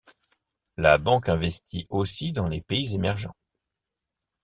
La banque investit aussi dans les pays émergents.